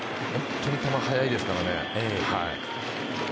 本当に球速いですからね。